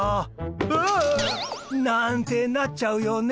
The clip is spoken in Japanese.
「うわあ！」。なんてなっちゃうよね。